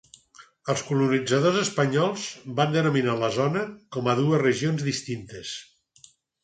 Els colonitzadors espanyols van denominar la zona com a dues regions distintes.